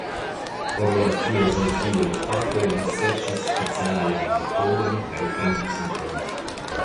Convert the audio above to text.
Por la filozofiaj fakoj li serĉis specialajn metodojn kaj principojn.